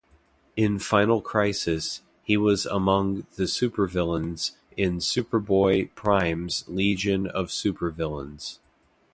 In Final Crisis, he was among the supervillains in Superboy-Prime's Legion of Super-Villains.